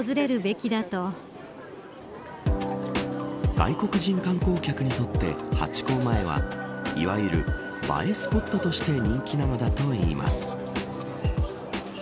外国人観光客にとってハチ公前はいわゆる映えスポットとして人気なのだといいます。